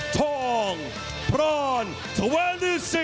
ทองพราน๒๖